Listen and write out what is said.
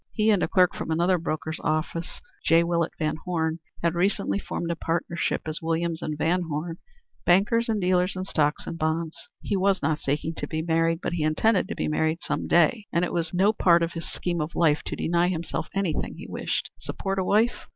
He and a clerk from another broker's office, J. Willett VanHorne, had recently formed a partnership as Williams & VanHorne, Bankers and Dealers in Stocks and Bonds. He was not seeking to be married, but he intended to be married some day, and it was no part of his scheme of life to deny himself anything he wished. Support a wife?